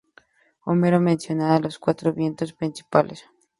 Homero menciona a los cuatro vientos principales.